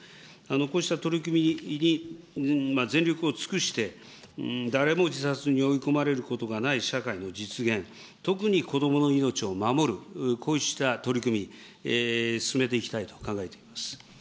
こうした取り組みに全力を尽くして、誰も自殺に追い込まれることがない社会の実現、特に子どもの命を守る、こうした取り組み、進めていきたいと考えています。